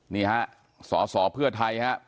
นี่ฮะสอสอเพื่อไทยครับ